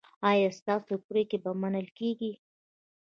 ایا ستاسو پریکړې به منل کیږي؟